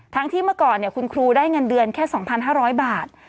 ที่เมื่อก่อนคุณครูได้เงินเดือนแค่๒๕๐๐บาท